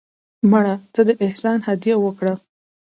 مړه ته د احسان هدیه وکړه